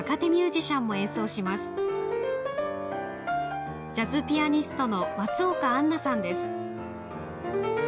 ジャズピアニストの松岡杏奈さんです。